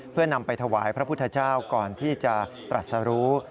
เพื่อนำไปถวายพระพุทธเจ้าก่อนที่จะตรัสรู้